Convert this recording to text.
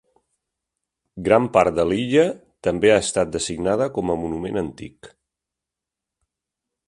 Gran part de l'illa també ha estat designada com a monument antic.